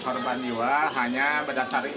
korbannya lagi di